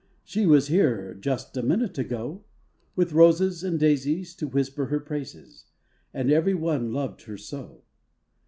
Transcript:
She was here just a minute ago, With roses and daisies To whisper her praises And every one loved her so!